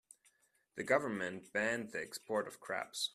The government banned the export of crabs.